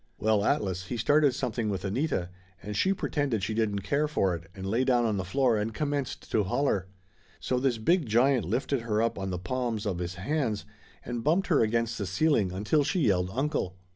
Well, Atlas, he started something with Anita, and she pretended she didn't care for it and lay down on the floor and commenced to holler. So this big giant lifted her up on the palms of his hands Laughter Limited 115 and bumped her against the ceiling until she yelled uncle.